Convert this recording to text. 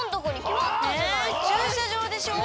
え駐車場でしょ？